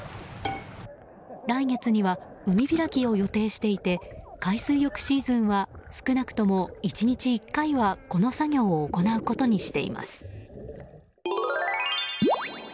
来月には海開きを予定していて海水浴シーズンは少なくとも１日１回はこの作業を行うことにしています。